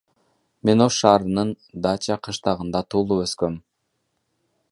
Мен Ош шаарынын Дача кыштагында туулуп өскөм.